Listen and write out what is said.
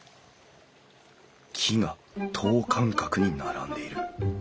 木が等間隔に並んでいる。